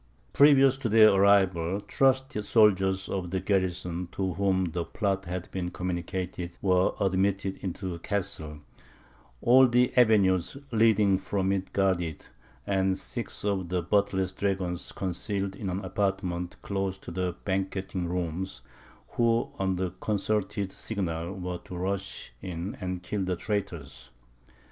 Previous to their arrival, trusty soldiers of the garrison, to whom the plot had been communicated, were admitted into the Castle, all the avenues leading from it guarded, and six of Buttler's dragoons concealed in an apartment close to the banqueting room, who, on a concerted signal, were to rush in and kill the traitors.